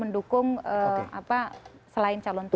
mendukung selain calon tunggal